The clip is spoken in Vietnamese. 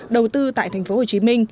đầu tư tại tp hcm